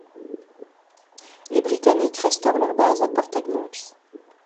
Les Britanniques restaurent leur base à Port Egmont.